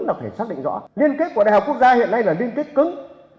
liên kết của đại học quốc gia hiện nay là liên kết cứng